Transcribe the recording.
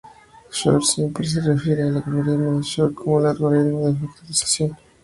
Shor siempre se refiere al algoritmo de Shor como "el algoritmo de factorización.